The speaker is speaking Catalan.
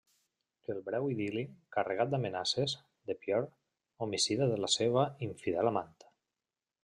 El breu idil·li, carregat d'amenaces, de Pierre, homicida de la seva infidel amant.